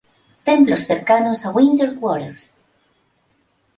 Templos cercanos a Winter Quarters